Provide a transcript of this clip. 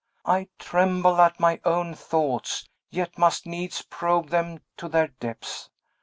I tremble at my own thoughts, yet must needs probe them to their depths.